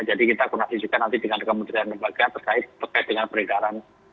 jadi kita akan menunjukkan nanti dengan kementerian lembaga terkait dengan peredaran